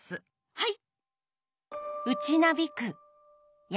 はい！